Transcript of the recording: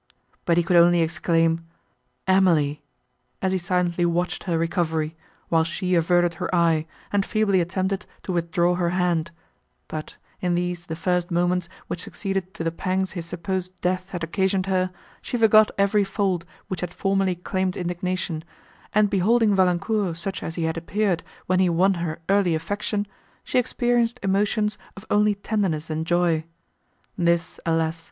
But he could only exclaim, "Emily!" as he silently watched her recovery, while she averted her eye, and feebly attempted to withdraw her hand; but, in these the first moments, which succeeded to the pangs his supposed death had occasioned her, she forgot every fault, which had formerly claimed indignation, and beholding Valancourt such as he had appeared, when he won her early affection, she experienced emotions of only tenderness and joy. This, alas!